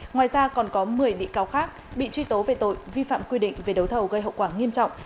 ngoài ra còn có một mươi bị cáo khác bị truy tố về tội vi phạm quy định về đấu thầu gây hậu quả nghiêm trọng